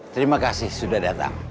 terima kasih sudah datang